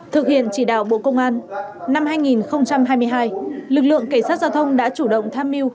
thực hiện chỉ đạo bộ công an năm hai nghìn hai mươi hai lực lượng cảnh sát giao thông đã chủ động tham mưu